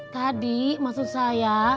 tadi maksud saya